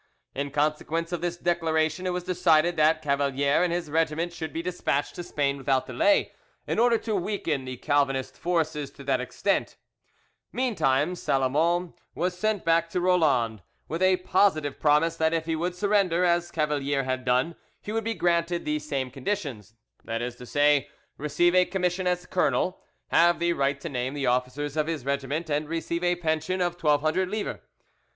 In consequence of this declaration, it was decided that Cavalier and his regiment should be despatched to Spain without delay, in order to weaken the Calvinist forces to that extent; meantime Salomon was sent back to Roland with a positive promise that if he would surrender, as Cavalier had done, he would be granted the same conditions—that is to say, receive a commission as colonel, have the right to name the officers of his regiment, and receive a pension of 1200 livres.